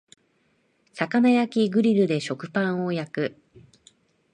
魚焼きグリルで食パンを焼く